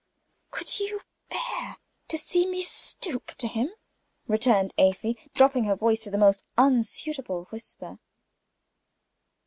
"Could you bear to see me stooping to him?" returned Afy, dropping her voice to the most insinuating whisper.